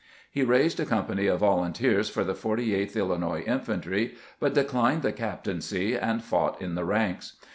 He raised a company of volunteers for the Forty eighth Illinois Infantry, but declined the captaincy, and fought in the ranks.